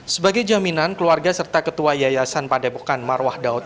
sebagai jaminan keluarga serta ketua yayasan padepokan marwah daud